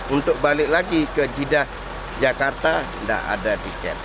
untuk balik lagi ke jidah jakarta tidak ada tiket